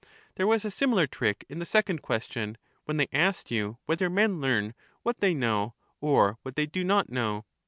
There was a similar trick in the second question, when they asked you whether men learn what they know or what they do not know.